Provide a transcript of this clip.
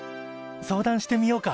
相談してみようか。